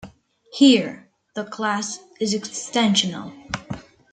Here, the class is extensional.